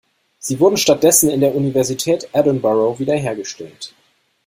Sie wurden stattdessen in der Universität Edinburgh wiederhergestellt.